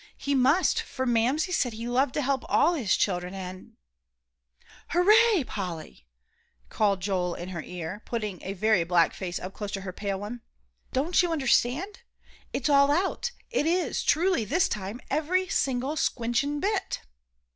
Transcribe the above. He must, for Mamsie said He loved to help all His children. And "Hooray, Polly!" called Joel in her ear, putting a very black face up close to her pale one. "Don't you understand? It's all out. It is, truly, this time, every single squinchin' bit."